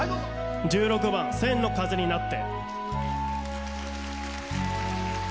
１６番「千の風になって」。